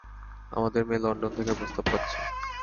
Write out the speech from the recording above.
আমাদের মেয়ে লন্ডন থেকে প্রস্তাব পাচ্ছে।